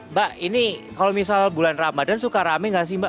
mbak ini kalau misal bulan ramadhan suka rame nggak sih mbak